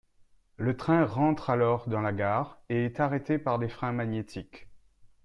Le train rentre alors dans la gare et est arrêté par des freins magnétiques.